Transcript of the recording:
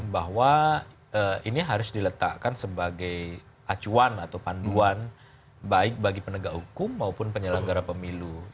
bahwa ini harus diletakkan sebagai acuan atau panduan baik bagi penegak hukum maupun penyelenggara pemilu